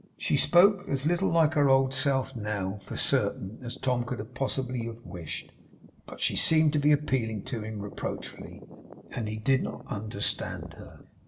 She spoke as little like her old self now, for certain, as Tom could possibly have wished. But she seemed to be appealing to him reproachfully, and he did not understand her.